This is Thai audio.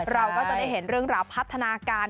เราก็จะได้เห็นเรื่องราวพัฒนาการ